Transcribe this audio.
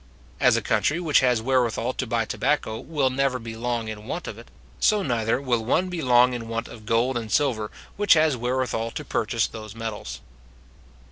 As a country which has wherewithal to buy tobacco will never be long in want of it, so neither will one be long in want of gold and silver which has wherewithal to purchase those metals.